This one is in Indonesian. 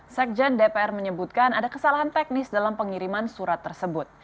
sekjen dpr menyebutkan ada kesalahan teknis dalam pengiriman surat tersebut